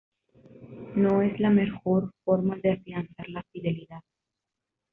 no es la mejor forma de afianzar la fidelidad